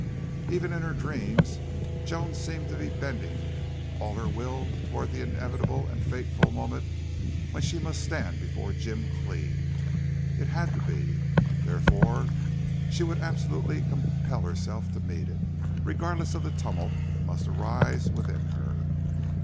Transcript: Even in her dreams Joan seemed to be bending all her will toward that inevitable and fateful moment when she must stand before Jim Cleve. It had to be. Therefore she would absolutely compel herself to meet it, regardless of the tumult that must rise within her.